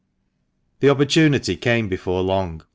The opportunity came before long.